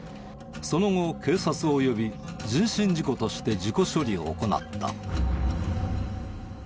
その後警察を呼び人身事故として事故処理を行った。